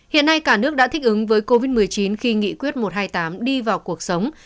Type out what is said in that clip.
hiện nay cả nước đã thích ứng với covid một mươi chín khi nghị quyết một trăm hai mươi tám đi vào cuộc sống